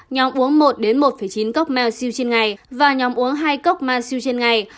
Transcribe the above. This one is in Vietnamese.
nhóm uống một đến một chín cốc masiu trên ngày và nhóm uống hai cốc masiu trên ngày